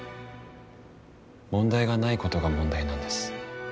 問題がないことが問題なんです。